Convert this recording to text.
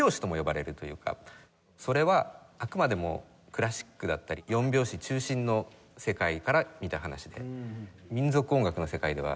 それはあくまでもクラシックだったり４拍子中心の世界から見た話で。